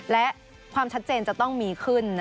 และความชัดเจนจะต้องมีขึ้น